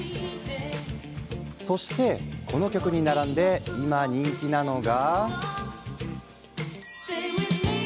そして、この曲に並んで今、人気なのが。